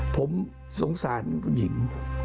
ผมสงสารคุณหญิง